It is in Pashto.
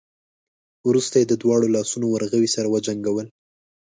وروسته يې د دواړو لاسونو ورغوي سره وجنګول.